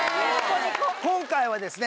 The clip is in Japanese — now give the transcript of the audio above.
今回はですね